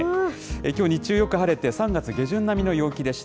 きょう日中よく晴れて３月下旬並みの陽気でした。